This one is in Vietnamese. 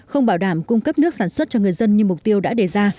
không bảo đảm cung cấp nước sản xuất cho người dân như mục tiêu đã đề ra